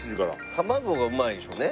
卵がうまいんでしょうね。